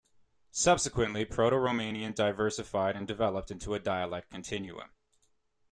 Subsequently Proto-Romanian diversified and developed into a dialect continuum.